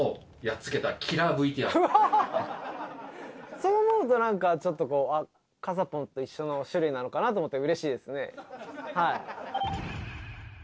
そう思うとなんかちょっとこう、あっ、風ぽんと一緒の種類なのかなと思って、うれしいですね。